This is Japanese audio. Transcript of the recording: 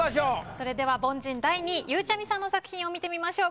それでは凡人第２位ゆうちゃみさんの作品を見てみましょう。